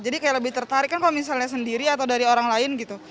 jadi kayak lebih tertarik kan kalau misalnya sendiri atau dari orang lain gitu